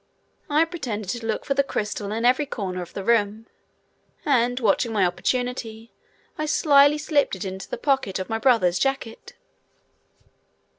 I pretended to look for the crystal in every corner of the room, and, watching my opportunity I slyly slipped it in the pocket of my brother's jacket.